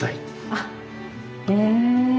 あっへえ。